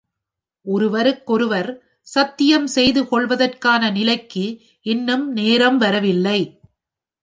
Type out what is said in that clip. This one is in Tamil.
ஒருவருக்கொருவர் சத்தியம் செய்துகொள்வதற்கான நிலைக்கு இன்னும் நேரம் வரவில்லை.